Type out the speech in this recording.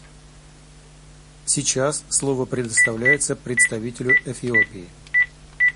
Сейчас слово предоставляется представителю Эфиопии.